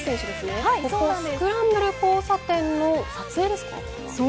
渋谷のスクランブル交差点の撮影ですか。